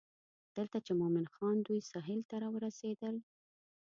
دلته چې مومن خان دوی سهیل ته راورسېدل.